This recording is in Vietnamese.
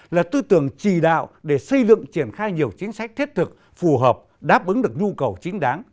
là tư tưởng chỉ đạo để xây dựng triển khai nhiều chính sách thiết thực phù hợp đáp ứng được nhu cầu chính đáng